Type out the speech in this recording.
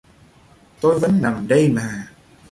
Tôi vẫn nằm đây mà